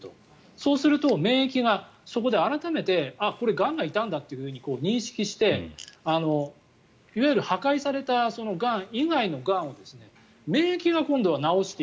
そうすると免疫がそこで改めてがんがいたんだと認識して、いわゆる破壊されたがん以外のがんを自分でね。